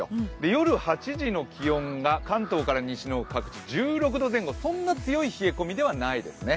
夜８時の気温が関東から西の各地１６度前後そんな強い冷え込みではないですね。